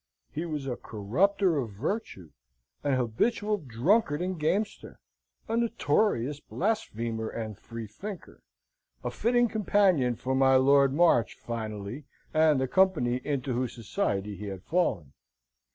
He was a corrupter of virtue, an habitual drunkard and gamester, a notorious blasphemer and freethinker, a fitting companion for my Lord March, finally, and the company into whose society he had fallen.